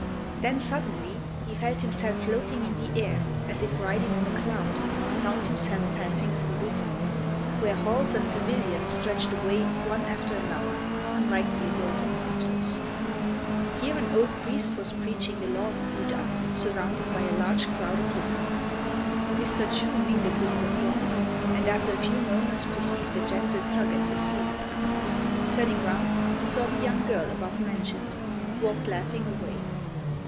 Then, suddenly, he felt himself floating in the air, as if riding on a cloud, and found himself passing through the wall, where halls and pavilions stretched away one after another, unlike the abodes of mortals. Here an old priest was preaching the Law of Buddha, surrounded by a large crowd of listeners. Mr. Chu mingled with the throng, and after a few moments perceived a gentle tug at his sleeve. Turning round, he saw the young girl above mentioned, who walked laughing away.